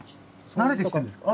慣れてきてるんですか？